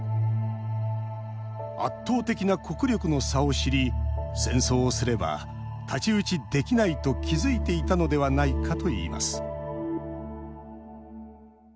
圧倒的な国力の差を知り戦争をすれば太刀打ちできないと気付いていたのではないかといいます